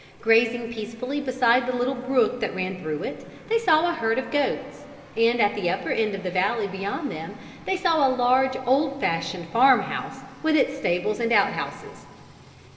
Grazing peacefully beside a little brook that ran through it, they saw a herd of goats. And at the upper end of the valley beyond them they saw a large old fashioned farmhouse with its stables and outhouses.